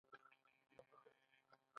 ډیر افغانان هلته ژوند کوي.